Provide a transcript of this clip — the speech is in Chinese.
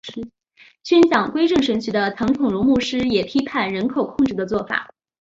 宣讲归正神学的唐崇荣牧师也批判人口控制的做法。